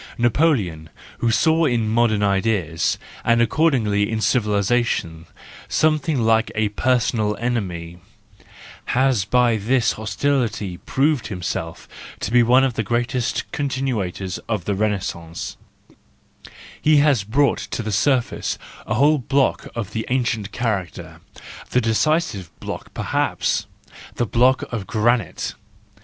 Napoleon, who saw in modern ideas, and accord¬ ingly in civilisation, something like a personal WE FEARLESS ONES 321 enemy, has by this hostility proved himself one of the greatest continuators of the Renaissance: he has brought to the surface a whole block of the ancient character, the decisive block perhaps, the block of granite.